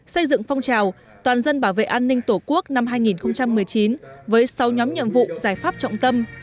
xây dựng phong trào toàn dân bảo vệ an ninh tổ quốc năm hai nghìn một mươi chín với sáu nhóm nhiệm vụ giải pháp trọng tâm